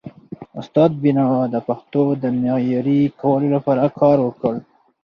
استاد بینوا د پښتو د معیاري کولو لپاره کار وکړ.